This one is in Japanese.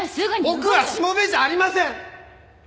僕はしもべじゃありません！